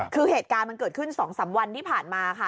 คือเหตุการณ์มันเกิดขึ้น๒๓วันที่ผ่านมาค่ะ